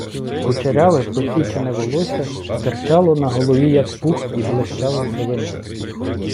Кучеряве посічене волосся стирчало на голові, як пух, і блищало сивиною.